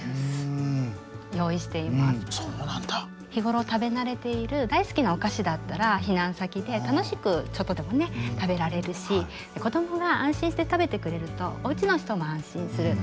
日頃食べ慣れている大好きなお菓子だったら避難先で楽しくちょっとでもね食べられるし子供が安心して食べてくれるとおうちの人も安心する。